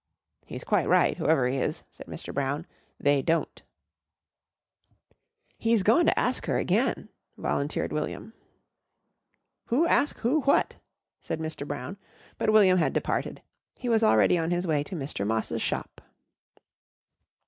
"He's quite right, whoever he is," said Mr. Brown. "They don't." "He's goin' to ask her again," volunteered William. "Who ask who what?" said Mr. Brown, but William had departed. He was already on his way to Mr. Moss's shop.